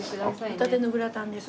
帆立のグラタンです。